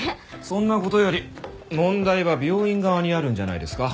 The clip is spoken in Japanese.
そんな事より問題は病院側にあるんじゃないですか？